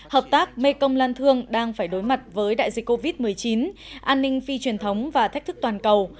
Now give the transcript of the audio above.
hợp tác mekong lan thương đang phải đối mặt với đại dịch covid một mươi chín an ninh phi truyền thống và thách thức toàn cầu